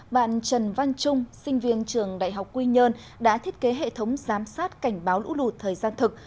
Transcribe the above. bạn trần văn trung sinh viên trường đại học quy nhơn đã thiết kế hệ thống giám sát cảnh báo lũ lụt thời gian thực